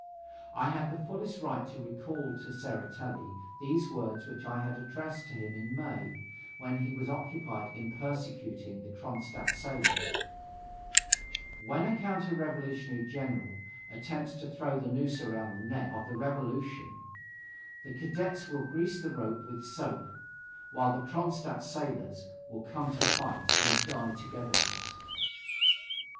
I had the fullest right to recall to Tseretelli these words which I had addressed to him in May, when he was occupied in persecuting the Kronstadt sailors: "When a counter revolutionary general attempts to throw the noose around the neck; of the revolution, the Cadets will grease the rope with soap, while the Kronstadt sailors will come to fight and die together with us."